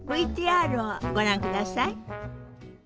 ＶＴＲをご覧ください。